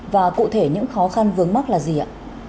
và cụ thể những khó khăn vướng mắt là gì ạ